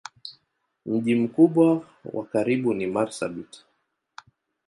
Mji mkubwa wa karibu ni Marsabit.